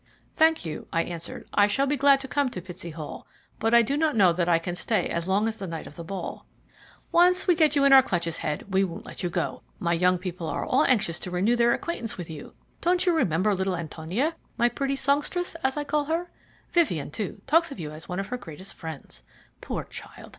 "Thank you," I answered. "I shall be glad to come to Pitsey Hall, but I do not know that I can stay as long as the night of the ball." "Once we get you into our clutches, Head, we won't let you go; my young people are all anxious to renew their acquaintance with you. Don't you remember little Antonia my pretty songstress, as I call her? Vivien, too, talks of you as one of her greatest friends. Poor child!